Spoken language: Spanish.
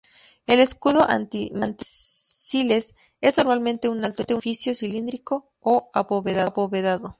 El escudo antimisiles es normalmente un alto edificio, cilíndrico o abovedado.